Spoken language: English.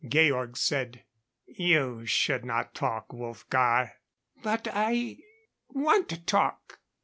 Georg said: "You should not talk, Wolfgar." "But I want to talk.